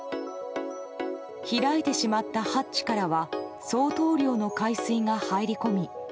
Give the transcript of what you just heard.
開いてしまったハッチからは相当量の海水が入り込み